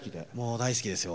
大好きですよ。